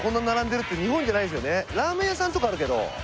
ラーメン屋さんとかあるけど。